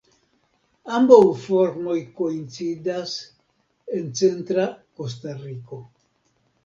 Ambaŭ formoj koincidas en centra Kostariko.